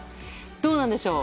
どうなんでしょう？